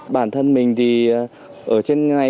bản thân mình thì ở trên này